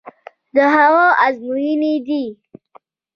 د هغه ازموینې دي.